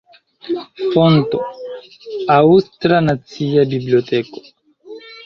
Fonto: Aŭstra Nacia Biblioteko.